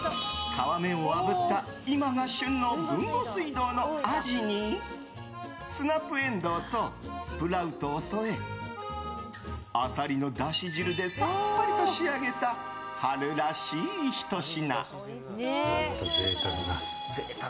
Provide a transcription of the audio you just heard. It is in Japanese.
皮目をあぶった今が旬の豊後水道のアジにスナップエンドウとスプラウトを添えアサリのだし汁でさっぱりと仕上げた春らしいひと品。